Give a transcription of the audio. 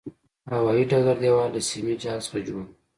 هوایي ډګر دېوال له سیمي جال څخه جوړ و.